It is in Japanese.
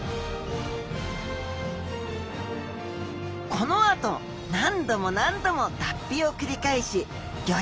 このあと何度も何度も脱皮を繰り返しギョ